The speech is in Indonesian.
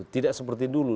tidak seperti dulu